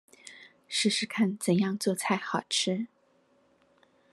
試試看怎樣做菜好吃